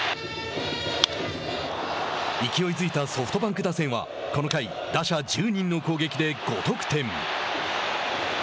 勢いづいたソフトバンク打線はこの回、打者１０人の攻撃で５得点。